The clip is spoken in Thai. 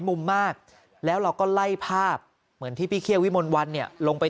มุมมากแล้วเราก็ไล่ภาพเหมือนที่พี่เคี่ยววิมลวันเนี่ยลงไป